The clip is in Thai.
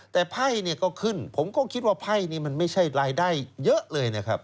แต่ไพ่เนี่ยก็ขึ้นผมก็คิดว่าไพ่นี้มันไม่ใช่รายได้เยอะเลยนะครับ